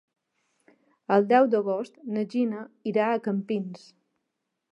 El deu d'agost na Gina irà a Campins.